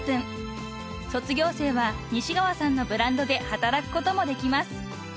［卒業生は西側さんのブランドで働くこともできます］